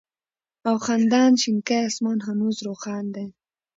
او خندان شينكى آسمان هنوز روښان دى